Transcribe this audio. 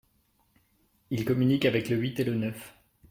Il communique avec le huit et le neuf…